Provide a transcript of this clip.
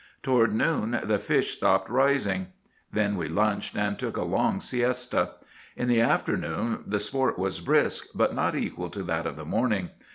Toward noon the fish stopped rising. Then we lunched, and took a long siesta. In the afternoon the sport was brisk, but not equal to that of the morning.